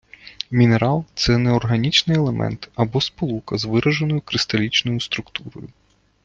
Мінерал - це неорганічний елемент, або сполука з вираженою кристалічною структурою